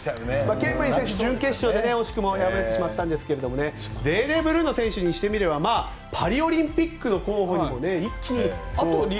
ケンブリッジ選手は準決勝で惜しくも敗れてしまったんですがデーデー選手にしてみたらパリオリンピックの候補にも一気に。